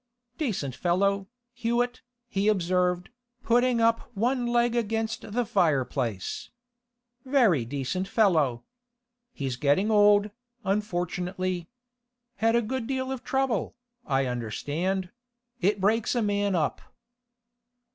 'Decent fellow, Hewett,' he observed, putting up one leg against the fireplace. 'Very decent fellow. He's getting old, unfortunately. Had a good deal of trouble, I understand; it breaks a man up.